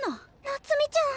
夏美ちゃん。